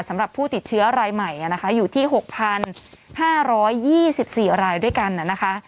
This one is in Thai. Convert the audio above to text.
สำหรับผู้ติดเชื้อรายใหม่นะคะอยู่ที่๖๕๒๔รายด้วยกันนะคะ